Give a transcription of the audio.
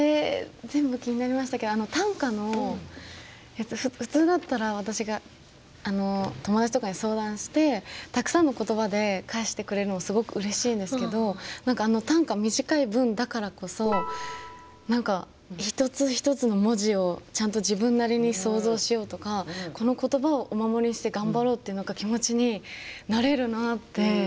全部気になりましたけど短歌の普通だったら私が友達とかに相談してたくさんの言葉で返してくれるのすごくうれしいんですけど何か短歌短い文だからこそ一つ一つの文字をちゃんと自分なりに想像しようとかこの言葉をお守りにして頑張ろうっていう気持ちになれるなって。